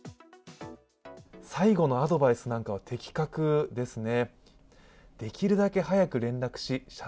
最後のアドバイスなんかは的確ですね。